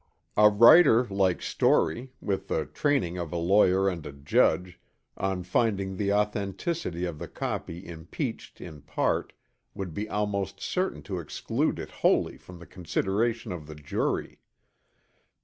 A writer like Story with the training of a lawyer and a judge on finding the authenticity of the copy impeached in part would be almost certain to exclude it wholly from the consideration of the jury.